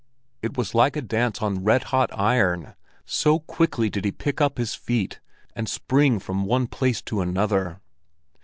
It was like a dance on red hot iron, so quickly did he pick up his feet, and spring from one place to another.